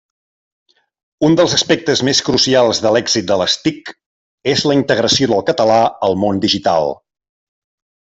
Un dels aspectes més crucials per l'èxit de les TIC és la integració del català al món digital.